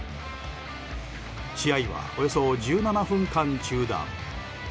試合は、およそ１７分間中断。